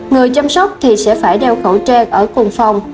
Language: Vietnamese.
người chăm sóc thì sẽ phải đeo khẩu trang ở cùng phòng